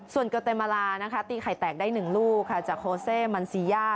ส่วนเกอร์เตมาลานะคะตีไข่แตกได้๑ลูกค่ะจากโคเซมันซีย่า